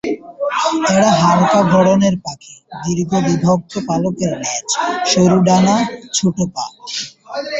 এরা হালকা গড়নের পাখি, দীর্ঘ বিভক্ত পালকের লেজ, সরু ডানা, ছোট পা।